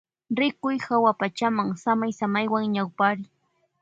Rikuy hawapachama samaysaywan ñawpariy.